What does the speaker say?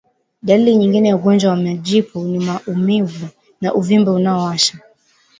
Dalili nyingine ya ugonjwa wa majipu ni Maumivu na uvimbe unaowasha